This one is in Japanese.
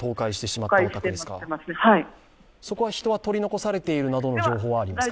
そこは人は取り残されているなどの情報はありますか？